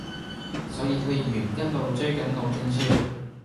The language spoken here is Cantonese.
所以區議員一路追緊路政署